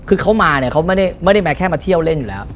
คือเขามาเนี่ยเขาไม่ได้มาแค่มาเที่ยวเล่นอยู่แล้ว